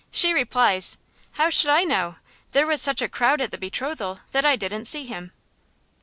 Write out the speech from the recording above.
she replies, "How should I know? There was such a crowd at the betrothal that I didn't see him."